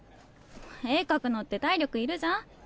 絵描くのって体力いるじゃん？